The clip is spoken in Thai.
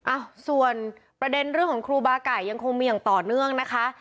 อ่ะส่วนประเด็นเรื่องของครูบาไก่ยังคงมีอย่างต่อเนื่องนะคะ